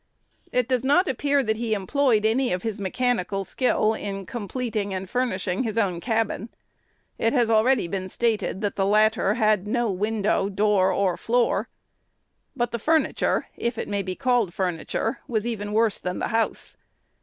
It does not appear that he employed any of his mechanical skill in completing and furnishing his own cabin. It has already been stated that the latter had no window, door, or floor. But the furniture if it may be called furniture was even worse than the house.